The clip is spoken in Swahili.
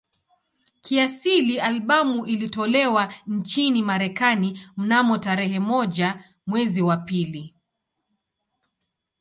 Kiasili albamu ilitolewa nchini Marekani mnamo tarehe moja mwezi wa pili